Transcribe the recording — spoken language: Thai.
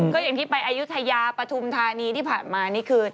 ก็อย่างที่ไปอายุทยาปฐุมธานีที่ผ่านมานี่คือ